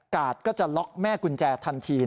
ก็จะล็อกแม่กุญแจทันที